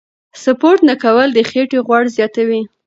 سپورت نه کول د خېټې غوړ زیاتوي.